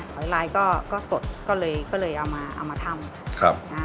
หอยลายก็สดก็เลยเอามาทำ